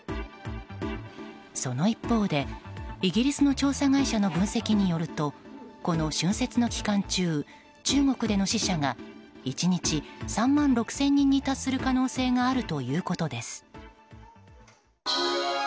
その一方でイギリスの調査会社の分析によるとこの春節の期間中中国での死者が１日３万６０００人に達する可能性があるということです。